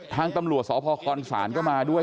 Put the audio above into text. ทางตำรวจสพคศก็มาด้วย